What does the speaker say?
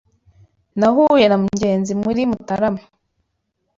Nahuye na Ngenzi muri Mutarama.